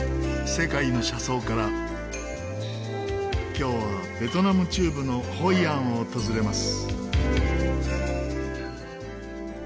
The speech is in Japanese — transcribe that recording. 今日はベトナム中部のホイアンを訪れます。